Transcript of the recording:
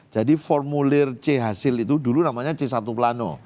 jadi formulir c hasil itu dulu namanya c satu plano